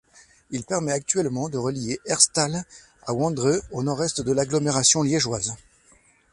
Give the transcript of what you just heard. Il permet actuellement de relier Herstal à Wandre au nord-est de l'agglomération liégeoise.